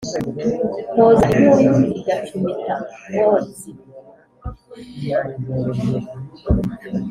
Nkoza inkuyu igacumita Nkotsi,